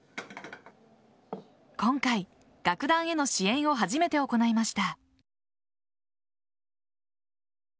今回、楽団への支援を初めて行いました。